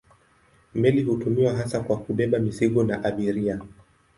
Meli hutumiwa hasa kwa kubeba mizigo na abiria.